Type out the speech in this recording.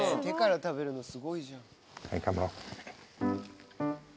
手から食べるのすごいじゃん。